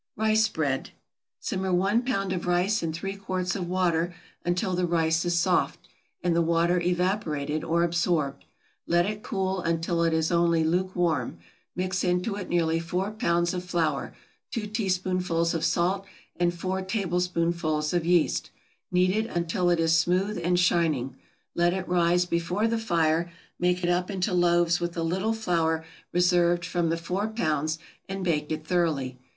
=Rice Bread.= Simmer one pound of rice in three quarts of water until the rice is soft, and the water evaporated or absorbed; let it cool until it is only luke warm; mix into it nearly four pounds of flour, two teaspoonfuls of salt, and four tablespoonfuls of yeast; knead it until it is smooth and shining, let it rise before the fire, make it up into loaves with the little flour reserved from the four pounds, and bake it thoroughly.